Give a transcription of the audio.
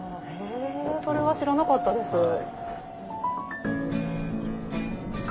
へえそれは知らなかったです。